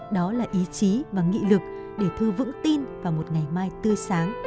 đó là ý chí và nghị lực để thư vững tin vào một ngày mai tươi sáng